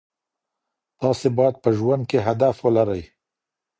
تاسي باید په ژوند کي هدف ولرئ.